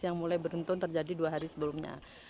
yang mulai beruntun terjadi dua hari sebelumnya